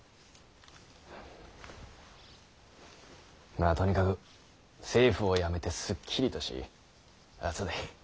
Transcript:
まあとにかく政府を辞めてすっきりとしあぁそうだい。